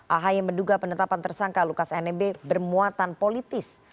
ahy menduga penetapan tersangka lukas nmb bermuatan politis